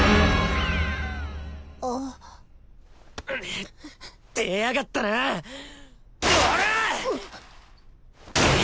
あっ出やがったなおら！